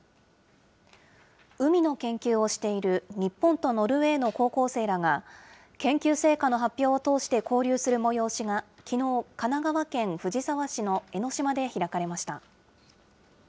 海の研究をしている日本とノルウェーの高校生らが、研究成果の発表を通して交流する催しがきのう、神奈川県藤沢市の江の島で開かれました。